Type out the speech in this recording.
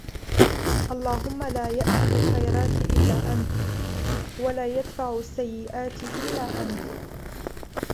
اللَّهُمَّ لَا يَأْتِي بِالْخَيْرَاتِ إلَّا أَنْتَ وَلَا يَدْفَعُ السَّيِّئَاتِ إلَّا أَنْتَ